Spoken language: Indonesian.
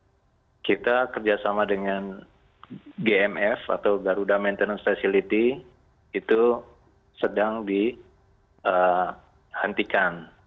karena waktu itu itu sudah seperti mengajukan pengunduran diri anda perangkat kolektif mudah mudahan agar tidak ada yang berkenaan